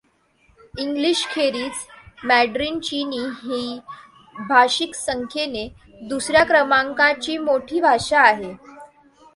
इंग्लिशखेरीज मँडरिन चिनी ही भाषिकसंख्येने दुसर् या क्रमांकाची मोठी भाषा आहे.